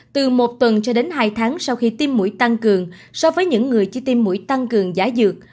từ một tuần cho đến hai tháng sau khi tiêm mũi tăng cường so với những người chi tiêm mũi tăng cường giả dược